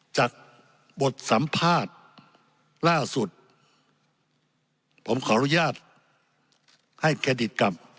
จากบทสัมภาษณ์ล่าสุดผมขออนุญาตให้เครดิตกับ